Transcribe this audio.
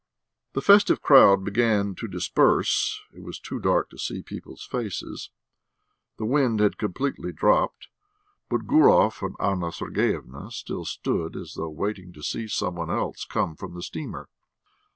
The festive crowd began to disperse; it was too dark to see people's faces. The wind had completely dropped, but Gurov and Anna Sergeyevna still stood as though waiting to see some one else come from the steamer.